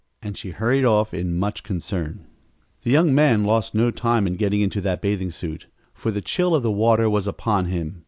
and she hurried off in much concern. The young man lost no time in getting into that bathing suit, for the chill of the water was upon him.